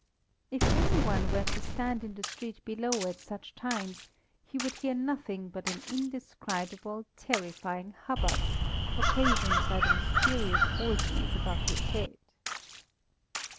If any one were to stand in the street below at such times he would hear nothing but an indescribable, terrifying hubbub, occasioned by the mysterious orgies above his head.